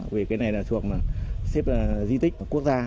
vì cái này là thuộc xếp di tích quốc gia